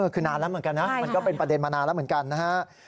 คือนานแล้วเหมือนกันนะมันก็เป็นประเด็นมานานแล้วเหมือนกันนะฮะ